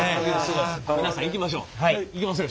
皆さんいきましょう。